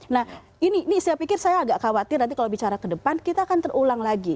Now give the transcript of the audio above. nah ini saya pikir saya agak khawatir nanti kalau bicara ke depan kita akan terulang lagi